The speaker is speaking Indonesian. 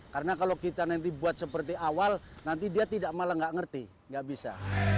karena kalau kita nanti buat seperti awal nanti dia tidak malah tidak mengerti tidak bisa